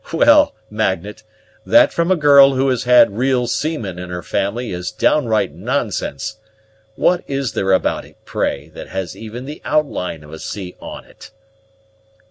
Well, Magnet, that from a girl who has had real seamen in her family is downright nonsense. What is there about it, pray, that has even the outline of a sea on it?"